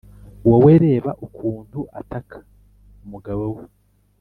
wowe reba ukuntu ataka umugabo we